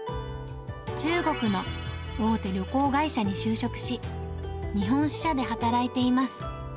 中国の大手旅行会社に就職し、日本支社で働いています。